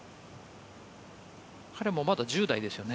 彼もまだ１０代ですよね。